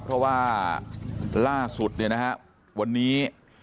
เพราะว่าล่าสุดเนี่ยนะฮะวันนี้